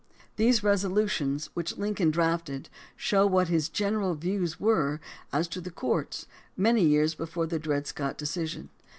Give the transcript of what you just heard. These resolutions, which Lincoln drafted/ show what his general views were as to the courts many years before the Dred Scott decision.